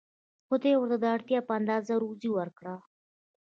خدای ورته د اړتیا په اندازه روزي ورکړه.